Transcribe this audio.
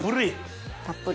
たっぷり！